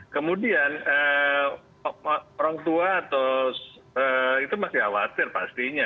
kemudian orang tua atau itu masih khawatir pastinya